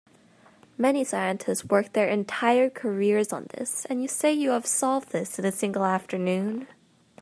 Many scientists work their entire careers on this, and you say you have solved this in a single afternoon?